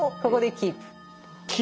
キープ？